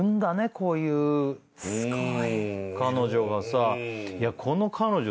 こういう彼女がさ。